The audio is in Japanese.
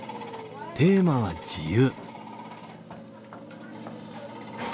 テーマは自由。